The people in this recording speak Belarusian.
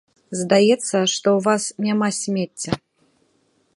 Здаецца, што ў вас няма смецця.